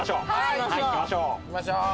行きましょう。